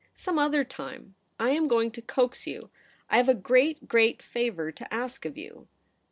Some other time. I am going to coax you. I have a great, great favour to ask of you.